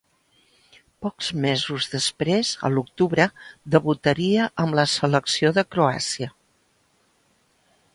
Pocs mesos després, a l'octubre, debutaria amb la selecció de Croàcia.